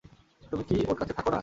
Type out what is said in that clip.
তুমি কি ওর কাছে থাকো না?